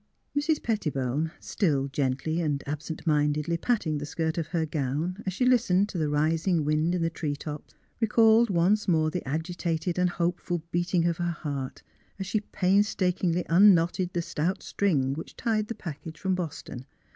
Mrs. Pettibone, still gently and absent mindedly patting the skirt of her gown as she listened to the rising wind in the tree tops, recalled once more the agitated and hopeful beating of her heart as she painstakingly unknotted the stout string which tied the package from Boston.